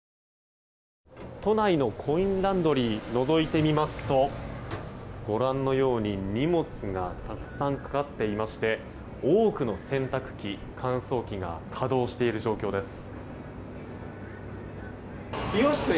都内のコインランドリーのぞいてみますとご覧のように荷物がたくさんかかっていまして多くの洗濯機、乾燥機が稼働している状況です。